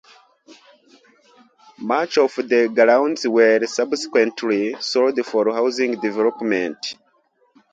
Much of the grounds were subsequently sold for housing development.